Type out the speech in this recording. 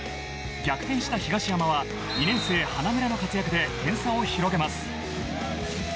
逆転した東山は２年生花村の活躍で点差を広げます。